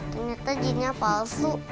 ternyata jinnnya palsu